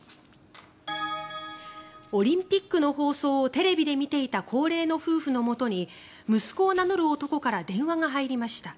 オリンピックの放送をテレビで見ていた高齢の夫婦のもとに息子を名乗る男から電話が入りました。